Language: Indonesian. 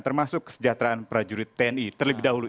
termasuk kesejahteraan prajurit tni terlebih dahulu